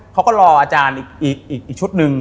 เขาก็รออาจารย์อีกชุดหนึ่ง